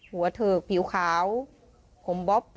หัวเถรกผิวขาวผมบ๊อบ